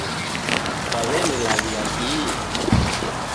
Kwawenilawia kii??